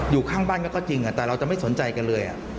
อยู่ข้างบ้านก็จริงแต่เราจะไม่สนใจกันเลย